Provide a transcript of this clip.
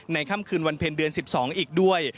ค่ำคืนวันเพ็ญเดือน๑๒อีกด้วย